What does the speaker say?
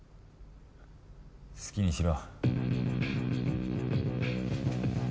好きにしろ。